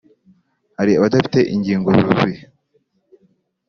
hari abadafite ingingo zuzuye